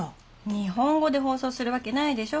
日本語で放送するわけないでしょ。